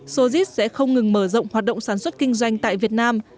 sojit sẽ không ngừng mở rộng hoạt động sản xuất kinh doanh tại việt nam